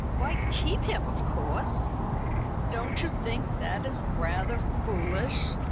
Why, keep him, of course!" "Don't you think that is rather foolish?